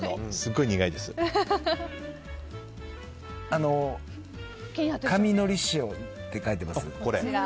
あの神のり塩って書いてます？